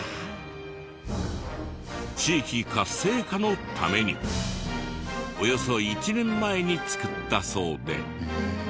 地域活性化のためにおよそ１年前に作ったそうで。